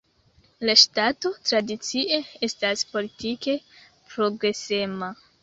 La ŝtato tradicie estas politike progresema.